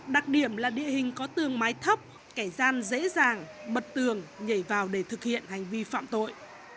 đặc điểm là địa hình có tương mái thấp kẻ gian dễ dàng bật tường nhảy vào để thực hiện hành vi phạm tội